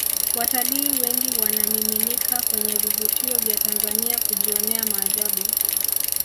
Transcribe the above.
watalii wengi wanamiminika kwenye vivutio vya tanzania kujionea maajabu